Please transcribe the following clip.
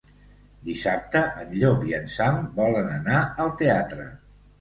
Dissabte en Llop i en Sam volen anar al teatre.